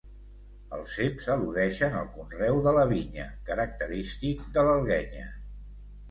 Els ceps al·ludeixen al conreu de la vinya, característic de l'Alguenya.